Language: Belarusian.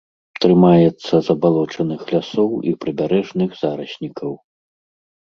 Трымаецца забалочаных лясоў і прыбярэжных зараснікаў.